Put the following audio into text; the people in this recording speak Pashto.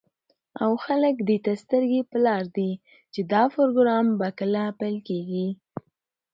او خلك دېته سترگې په لار دي، چې دا پروگرام به كله پيل كېږي.